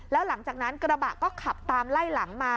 แล้วหลังจากนั้นกระบะก็ขับตามไล่หลังมา